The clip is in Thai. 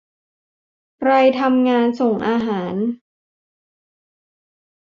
ใครทำงานส่งอาหาร